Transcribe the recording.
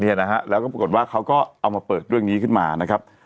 เนี่ยนะฮะแล้วก็ปรากฏว่าเขาก็เอามาเปิดเรื่องนี้ขึ้นมานะครับ